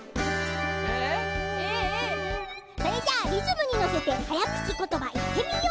それじゃあリズムにのせて早口言葉いってみよう！